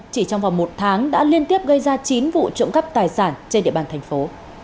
chỉ trong vòng một tháng đã liên tiếp gây ra chín vụ trộm cắp tài sản trên địa bàn thành phố